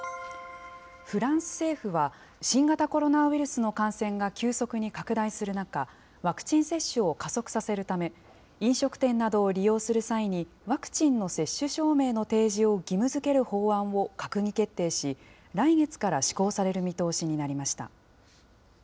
フランス政府は、新型コロナウイルスの感染が急速に拡大する中、ワクチン接種を加速させるため、飲食店などを利用する際に、ワクチンの接種証明の提示を義務づける法案を閣議決定し、来月から施行される見通しになりました。